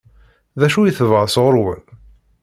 D acu i tebɣa sɣur-wen?